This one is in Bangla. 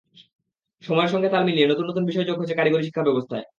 সময়ের সঙ্গে তাল মিলিয়ে নতুন নতুন বিষয় যোগ হচ্ছে কারিগরি শিক্ষাব্যবস্থায়।